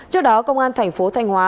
trước đó công an thành phố thanh hóa